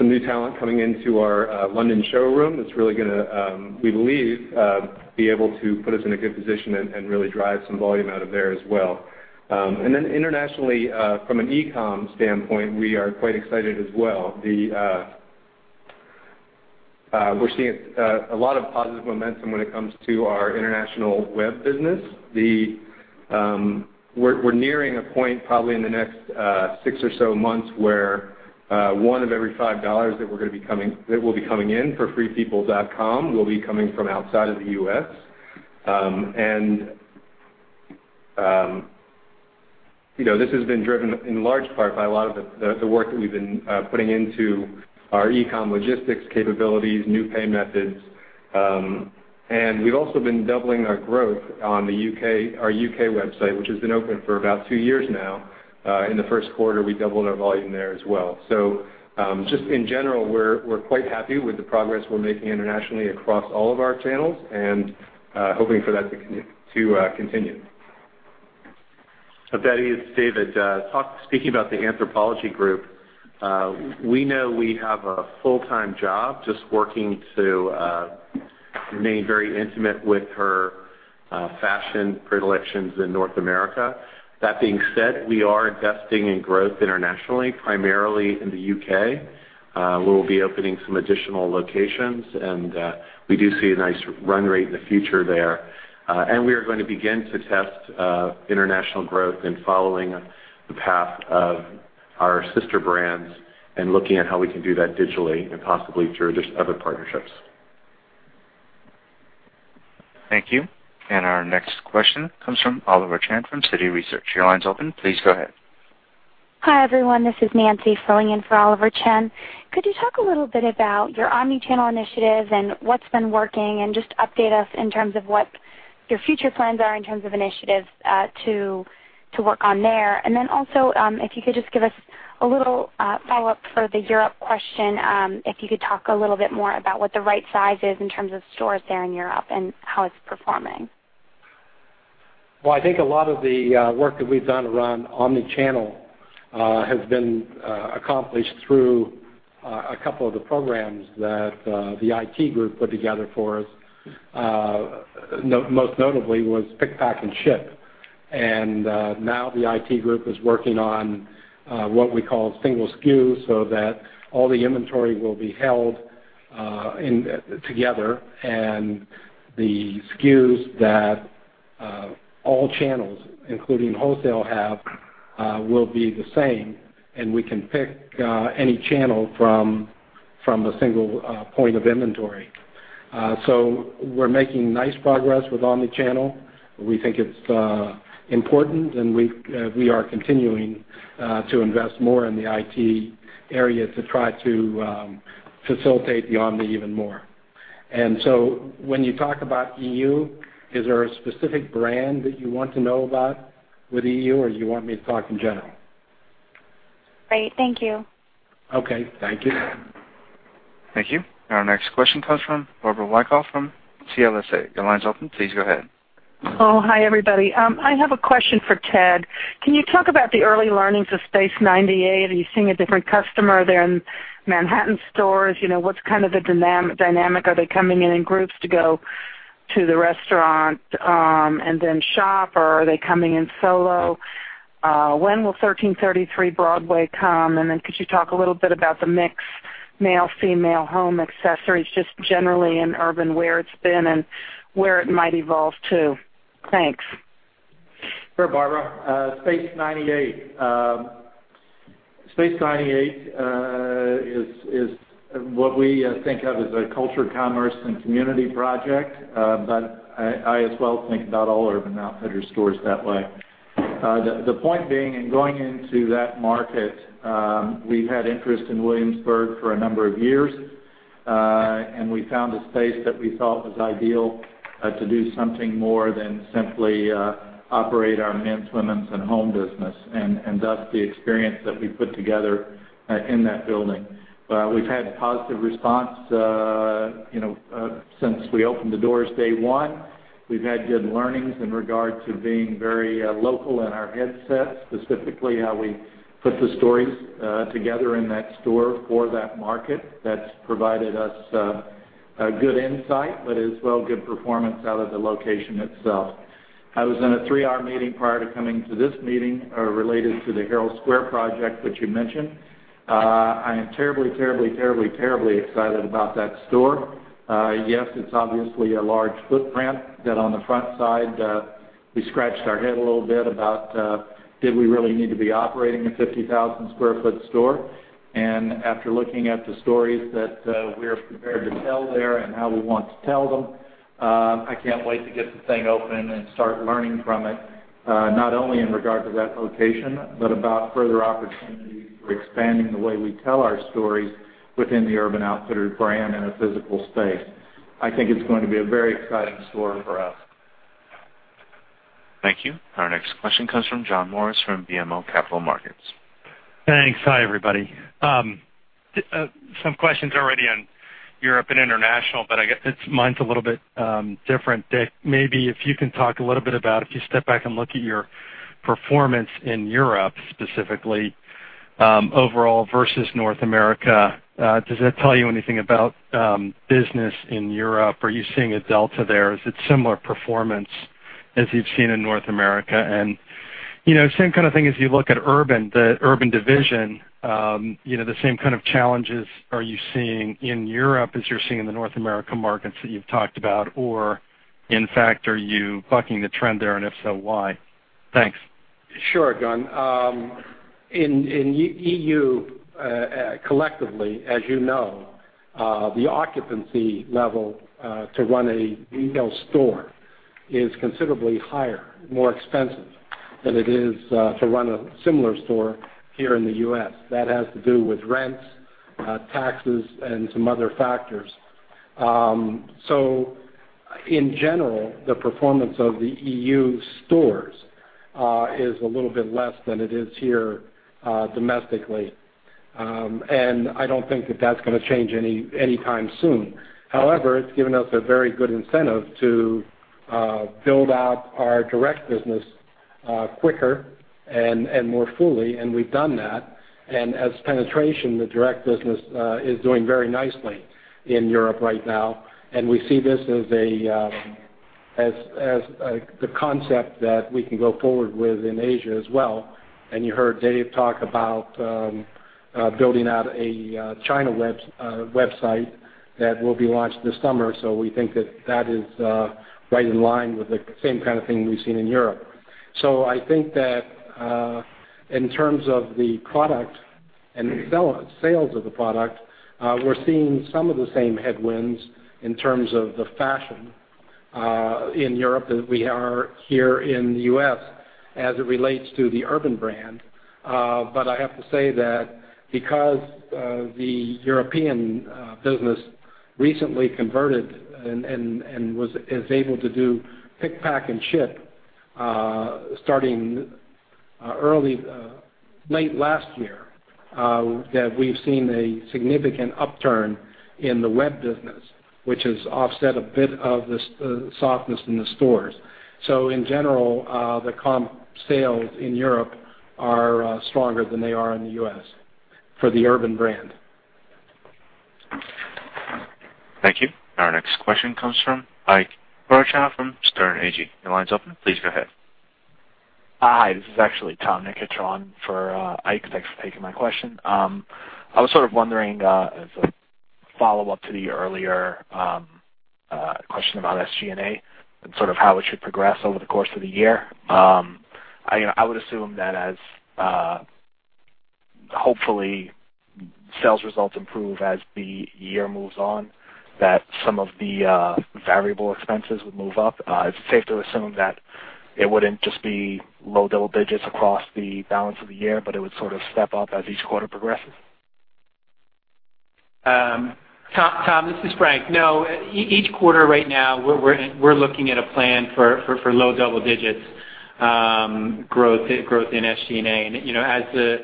new talent coming into our London showroom that's really going to, we believe, be able to put us in a good position and really drive some volume out of there as well. Internationally, from an e-com standpoint, we are quite excited as well. We're seeing a lot of positive momentum when it comes to our international web business. We're nearing a point probably in the next six or so months where $1 of every $5 that will be coming in for freepeople.com will be coming from outside of the U.S. This has been driven in large part by a lot of the work that we've been putting into our e-com logistics capabilities, new pay methods. We've also been doubling our growth on our U.K. website, which has been open for about two years now. In the first quarter, we doubled our volume there as well. Just in general, we're quite happy with the progress we're making internationally across all of our channels and hoping for that to continue. Betty, it's David. Speaking about the Anthropologie Group, we know we have a full-time job just working to remain very intimate with her fashion predilections in North America. That being said, we are investing in growth internationally, primarily in the U.K. We will be opening some additional locations, and we do see a nice run rate in the future there. We are going to begin to test international growth and following the path of our sister brands and looking at how we can do that digitally and possibly through other partnerships. Thank you. Our next question comes from Oliver Chen from Citi Research. Your line's open. Please go ahead. Hi, everyone. This is Nancy filling in for Oliver Chen. Could you talk a little bit about your omni-channel initiative and what's been working, just update us in terms of what your future plans are in terms of initiatives to work on there? Then also, if you could just give us a little follow-up for the Europe question, if you could talk a little bit more about what the right size is in terms of stores there in Europe and how it's performing. Well, I think a lot of the work that we've done around omni-channel has been accomplished through a couple of the programs that the IT group put together for us. Most notably was pick, pack, and ship. Now the IT group is working on what we call single SKU so that all the inventory will be held together and the SKUs that all channels, including wholesale have, will be the same, and we can pick any channel from a single point of inventory. We're making nice progress with omni-channel. We think it's important, and we are continuing to invest more in the IT area to try to facilitate the omni even more. When you talk about EU, is there a specific brand that you want to know about with EU, or do you want me to talk in general? Great. Thank you. Okay. Thank you. Thank you. Our next question comes from Barbara Wyckoff from CLSA. Your line's open. Please go ahead. Oh, hi, everybody. I have a question for Ted. Can you talk about the early learnings of Space Ninety 8? Are you seeing a different customer there in Manhattan stores? What's the dynamic? Are they coming in in groups to go to the restaurant and then shop, or are they coming in solo? When will 1333 Broadway come? Then could you talk a little bit about the mix, male, female, home accessories, just generally in Urban, where it's been and where it might evolve to. Thanks. Sure, Barbara. Space Ninety 8 is what we think of as a culture, commerce, and community project. I as well think about all Urban Outfitters stores that way. The point being, in going into that market, we've had interest in Williamsburg for a number of years, and we found a space that we thought was ideal to do something more than simply operate our men's, women's, and home business, and thus the experience that we put together in that building. We've had positive response since we opened the doors day one. We've had good learnings in regard to being very local in our headset, specifically how we put the stories together in that store for that market. That's provided us a good insight, but as well, good performance out of the location itself. I was in a three-hour meeting prior to coming to this meeting, related to the Herald Square project that you mentioned. I am terribly excited about that store. Yes, it's obviously a large footprint that on the front side, we scratched our head a little bit about, did we really need to be operating a 50,000 sq ft store? After looking at the stories that we're prepared to tell there and how we want to tell them, I can't wait to get the thing open and start learning from it, not only in regard to that location, but about further opportunities for expanding the way we tell our stories within the Urban Outfitters brand in a physical space. I think it's going to be a very exciting store for us. Thank you. Our next question comes from John Morris from BMO Capital Markets. Thanks. Hi, everybody. Some questions already on Europe and international, I guess mine's a little bit different. Dave, maybe if you can talk a little bit about if you step back and look at your performance in Europe, specifically, overall versus North America, does that tell you anything about business in Europe? Are you seeing a delta there? Is it similar performance as you've seen in North America? Same kind of thing, as you look at Urban, the Urban division, the same kind of challenges are you seeing in Europe as you're seeing in the North America markets that you've talked about, or in fact, are you bucking the trend there, and if so, why? Thanks. Sure, John. In EU, collectively, as you know, the occupancy level to run a retail store is considerably higher, more expensive than it is to run a similar store here in the U.S. That has to do with rents, taxes, and some other factors. In general, the performance of the EU stores is a little bit less than it is here domestically. I don't think that that's going to change any time soon. However, it's given us a very good incentive to build out our direct business quicker and more fully, and we've done that. As penetration, the direct business is doing very nicely in Europe right now, and we see this as the concept that we can go forward with in Asia as well. You heard Dave talk about building out a China website that will be launched this summer. We think that that is right in line with the same kind of thing we've seen in Europe. I think that in terms of the product and sales of the product, we're seeing some of the same headwinds in terms of the fashion in Europe as we are here in the U.S. as it relates to the Urban brand. I have to say that because the European business recently converted and is able to do pick, pack, and ship starting late last year, that we've seen a significant upturn in the web business, which has offset a bit of the softness in the stores. In general, the comp sales in Europe are stronger than they are in the U.S. for the Urban brand. Thank you. Our next question comes from Ike Boruchow from Sterne Agee. Your line's open. Please go ahead. Hi. This is actually Tom Nikic for Ike. Thanks for taking my question. I was sort of wondering as a follow-up to the earlier question about SG&A and sort of how it should progress over the course of the year. I would assume that as, hopefully, sales results improve as the year moves on, that some of the variable expenses would move up. Is it safe to assume that it wouldn't just be low double digits across the balance of the year, but it would sort of step up as each quarter progresses? Tom, this is Frank. Each quarter right now, we're looking at a plan for low double digits growth in SG&A.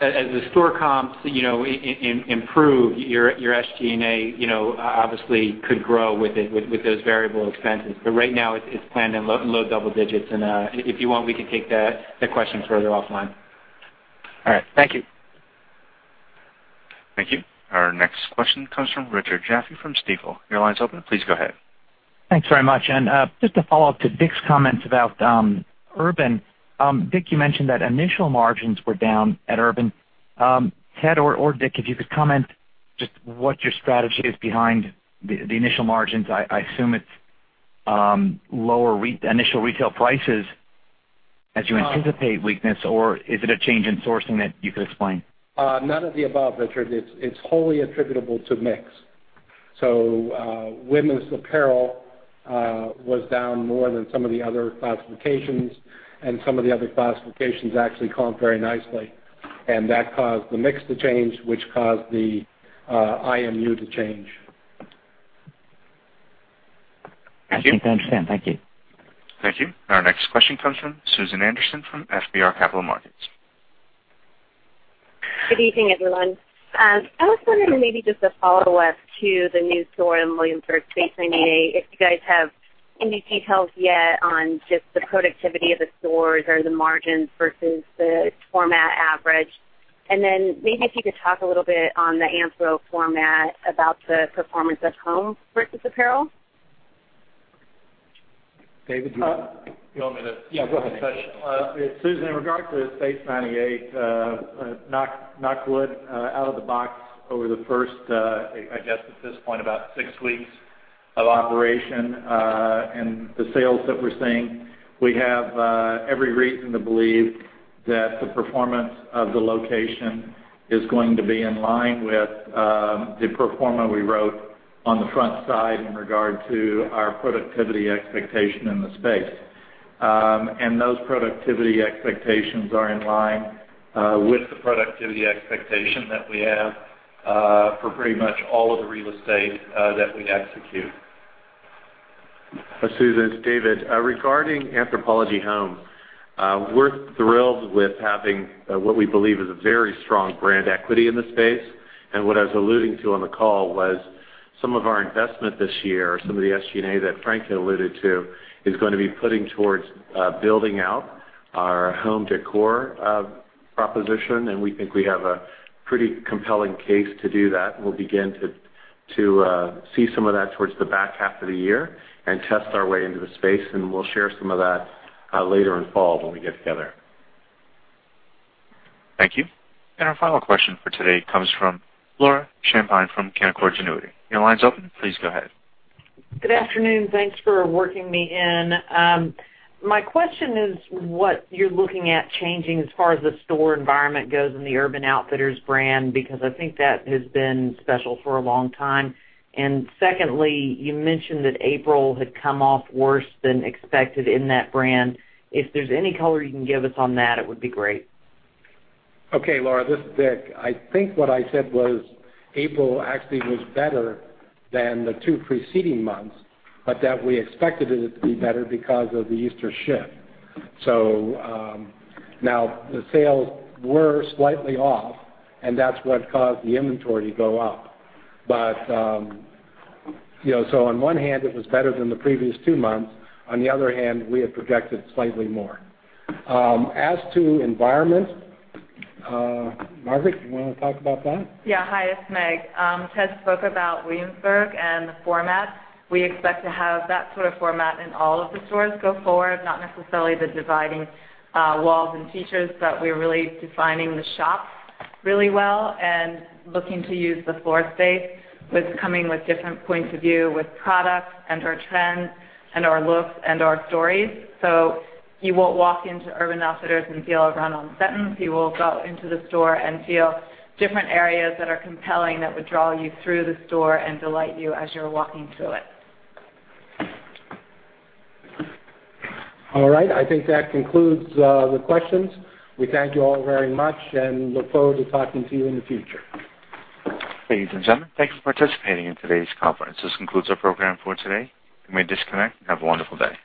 As the store comps improve, your SG&A obviously could grow with those variable expenses. Right now, it's planned in low double digits. If you want, we can take the questions further offline. All right. Thank you. Thank you. Our next question comes from Richard Jaffe from Stifel. Your line's open. Please go ahead. Thanks very much. Just a follow-up to Dick's comments about Urban. Dick, you mentioned that initial margins were down at Urban. Ted or Dick, if you could comment just what your strategy is behind the initial margins. I assume it's lower initial retail prices as you anticipate weakness, or is it a change in sourcing that you could explain? None of the above, Richard. It's wholly attributable to mix. Women's apparel was down more than some of the other classifications, and some of the other classifications actually comp very nicely. That caused the mix to change, which caused the IMU to change. I think I understand. Thank you. Thank you. Our next question comes from Susan Anderson from FBR Capital Markets. Good evening, everyone. I was wondering, maybe just a follow-up to the new store in Williamsburg, Space Ninety 8, if you guys have any details yet on just the productivity of the stores or the margins versus the format average. Maybe if you could talk a little bit on the Anthro format about the performance of Home versus apparel. David, do you. You want me to? Yeah, go ahead Susan, in regard to Space 98, knock wood, out of the box over the first, I guess at this point, about six weeks of operation and the sales that we're seeing. We have every reason to believe that the performance of the location is going to be in line with the pro forma we wrote on the front side in regard to our productivity expectation in the space. Those productivity expectations are in line with the productivity expectation that we have for pretty much all of the real estate that we execute. Susan, it's David. Regarding Anthropologie Home, we're thrilled with having what we believe is a very strong brand equity in the space. What I was alluding to on the call was some of our investment this year, some of the SG&A that Frank had alluded to, is going to be putting towards building out our home decor proposition, and we think we have a pretty compelling case to do that. We'll begin to see some of that towards the back half of the year and test our way into the space, and we'll share some of that later in fall when we get together. Thank you. Our final question for today comes from Laura Champine from Canaccord Genuity. Your line is open. Please go ahead. Good afternoon. Thanks for working me in. My question is what you're looking at changing as far as the store environment goes in the Urban Outfitters brand, because I think that has been special for a long time. Secondly, you mentioned that April had come off worse than expected in that brand. If there's any color you can give us on that, it would be great. Okay, Laura, this is Dick. I think what I said was April actually was better than the two preceding months, but that we expected it to be better because of the Easter shift. Now the sales were slightly off, and that's what caused the inventory to go up. On one hand, it was better than the previous two months. On the other hand, we had projected slightly more. As to environment, Margaret, you want to talk about that? Yeah. Hi, it's Meg. Ted spoke about Williamsburg and the format. We expect to have that sort of format in all of the stores go forward, not necessarily the dividing walls and features, but we're really defining the shops really well and looking to use the floor space with coming with different points of view with products and/or trends and/or looks and/or stories. You won't walk into Urban Outfitters and feel a run-on sentence. You will go into the store and feel different areas that are compelling that would draw you through the store and delight you as you're walking through it. All right. I think that concludes the questions. We thank you all very much and look forward to talking to you in the future. Ladies and gentlemen, thank you for participating in today's conference. This concludes our program for today. You may disconnect and have a wonderful day.